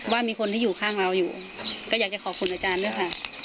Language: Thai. ว่ามีคนที่อยู่ข้างเราอยู่ก็อยากจะขอบคุณอาจารย์ด้วยค่ะ